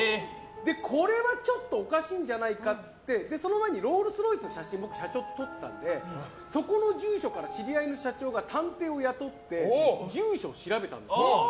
これはちょっとおかしいんじゃないかっていってその前にロールスロイスの写真を社長と撮ったのでそこの住所から知り合いの社長が探偵を雇って住所を調べたんですよ。